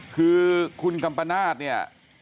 คือคุณกำปะนาฬนี่